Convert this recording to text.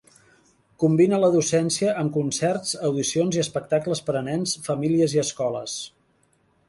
Combina la docència amb concerts, audicions i espectacles per a nens, famílies i escoles.